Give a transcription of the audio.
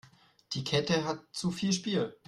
Die Kette hat zu viel Spiel.